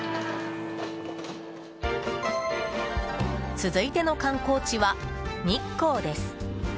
続いての観光地は、日光です。